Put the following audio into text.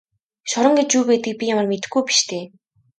Шорон гэж юу байдгийг би ямар мэдэхгүй биш дээ.